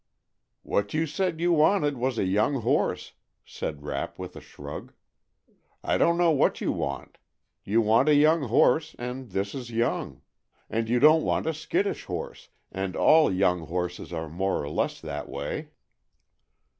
"What you said you wanted was a young horse," said Rapp with a shrug. "I don't know what you want. You want a young horse, and this is young, and you don't want a skittish horse, and all young horses are more or less that way."